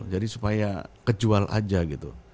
jadi supaya kejual aja gitu